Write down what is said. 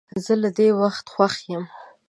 زه له دې وخت خوښ یم.